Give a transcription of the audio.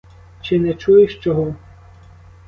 Чи не чуєш чого?